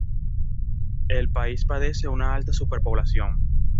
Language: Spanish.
El país padece una alta superpoblación.